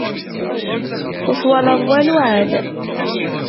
Ur twalaḍ walu ɛad.